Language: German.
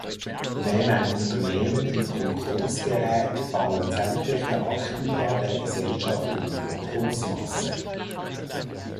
Wenn ein Unternehmen in Konkurs gerät, fallen sämtliche Aktiva der Gesellschaft in die Konkursmasse.